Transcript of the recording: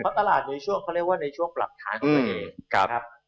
ตลาดในช่วงพอเรียกว่าในช่วงปรับฐานของตัวเอง